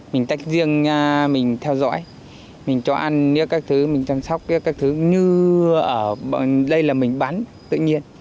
mình tách riêng mình theo dõi mình cho ăn các thứ mình chăm sóc các thứ như ở đây là mình bán tự nhiên